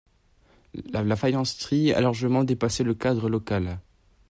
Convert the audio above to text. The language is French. La faïencerie a largement dépassé le cadre local.